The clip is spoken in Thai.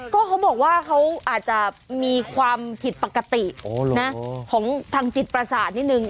ก็เขาบอกว่าเขาอาจจะมีความผิดปกติของทางจิตประสาทนิดนึง